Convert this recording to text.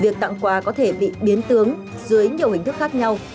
việc tặng quà có thể bị biến tướng dưới nhiều hình thức khác nhau